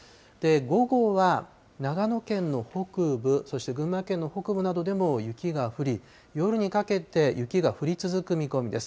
午後は長野県の北部、そして群馬県の北部などでも雪が降り、夜にかけて雪が降り続く見込みです。